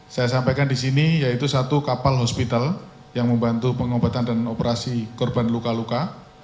saya sampaikan di sini yaitu satu kapal hospital yang membantu pengobatan dan operasi korban luka luka